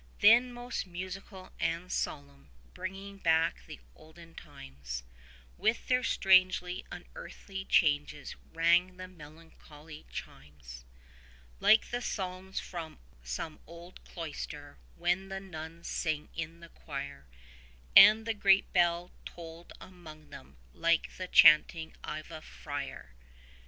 Then most musical and solemn, bringing back the olden times, With their strange unearthly changes rang the melancholy chimes, Like the psalms from some old cloister, when the nuns sing in the choir; And the great bell tolled among them, like the chanting of a friar.